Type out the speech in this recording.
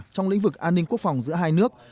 trong lĩnh vực an ninh quốc phòng giữa hai nước